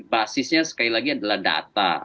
basisnya sekali lagi adalah data